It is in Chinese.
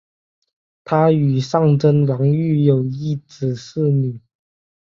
她与尚贞王育有一子四女。